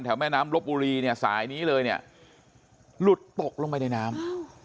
แม่น้ำลบบุรีเนี่ยสายนี้เลยเนี่ยหลุดตกลงไปในน้ำ